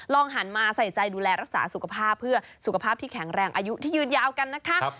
หันมาใส่ใจดูแลรักษาสุขภาพเพื่อสุขภาพที่แข็งแรงอายุที่ยืนยาวกันนะคะ